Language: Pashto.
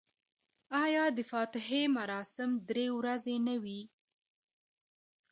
آیا د فاتحې مراسم درې ورځې نه وي؟